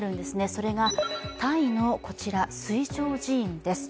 それがタイの水上寺院です。